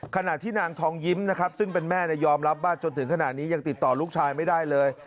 ขณะที่นางทองยิ้มนะครับซึ่งเป็นแม่ยอมรับว่าจนถึงขณะนี้ยังติดต่อลูกชายไม่ได้เลย